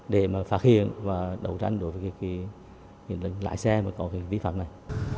để mà phát hiện và đấu tranh đối với cái lái xe mà có cái vi phạm này